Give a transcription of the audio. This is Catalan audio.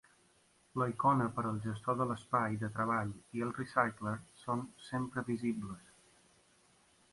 La icona per al gestor de l'espai de treball i el Recycler són sempre visibles.